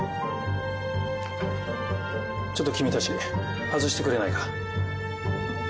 ちょっと君たち外してくれないか。